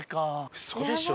ウソでしょ？